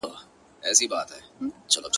یوه ورځ به دي چیچي، پر سپینو لېچو.